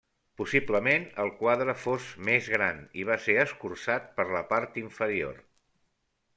Possiblement el quadre fos més gran, i va ser escurçat per la part inferior.